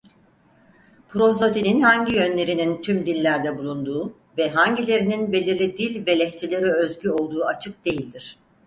Prozodinin hangi yönlerinin tüm dillerde bulunduğu ve hangilerinin belirli dil ve lehçelere özgü olduğu açık değildir.